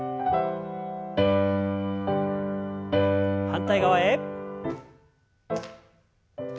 反対側へ。